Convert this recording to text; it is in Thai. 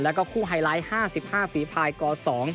แล้วก็คู่ไฮไลท์๕๕ฝีภายก๒